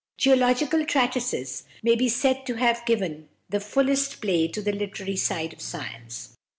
Geological treatises may be said to have given the fullest play to the literary side of science.